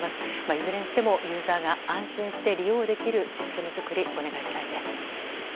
いずれにしてもユーザーが安心して利用できるシステム作り、お願いしたいです。